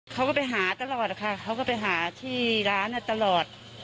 เขาก็ไปหาตลอดค่ะเขาก็ไปหาที่ร้านตลอด